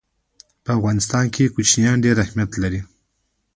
په افغانستان کې کوچیان ډېر اهمیت لري.